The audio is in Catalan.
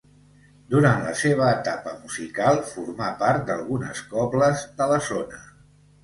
Durant la seva etapa musical formà part d'algunes cobles de la zona.